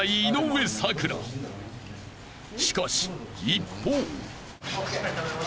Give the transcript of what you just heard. ［しかし一方］